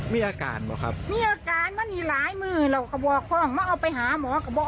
มีอาการไหมครับ